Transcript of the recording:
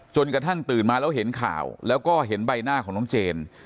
จนกระทั่งตื่นมาแล้วเห็นข่าวแล้วก็เห็นใบหน้าของน้องเจน